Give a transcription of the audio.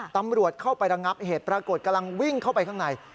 ตำรวจเข้าไประงับเหตุปรากฏกำลังวิ่งเข้าไปข้างใน